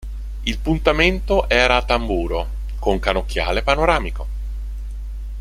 Il puntamento era a tamburo con cannocchiale panoramico.